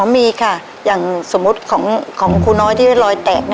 มีค่ะอย่างสมมุติของครูน้อยที่เป็นรอยแตก